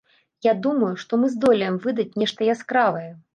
Я думаю, што мы здолеем выдаць нешта яскравае.